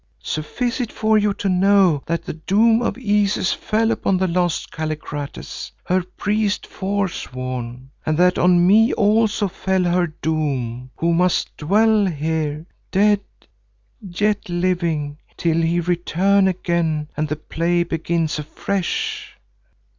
Suffice it for you to know that the doom of Isis fell upon the lost Kallikrates, her priest forsworn, and that on me also fell her doom, who must dwell here, dead yet living, till he return again and the play begins afresh.